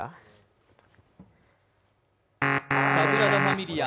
サグラダ・ファミリア。